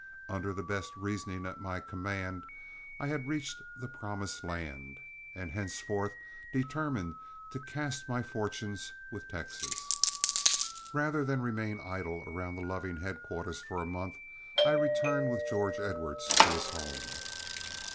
Under the best reasoning at my command, I had reached the promised land, and henceforth determined to cast my fortunes with Texas. Rather than remain idle around the Loving headquarters for a month, I returned with George Edwards to his home.